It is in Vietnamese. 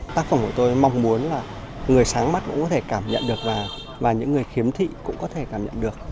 tác phẩm của tôi mong muốn là người sáng mắt cũng có thể cảm nhận được và những người khiếm thị cũng có thể cảm nhận được